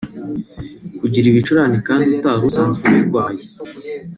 kugira ibicurane kandi utari usazwe ubirwaye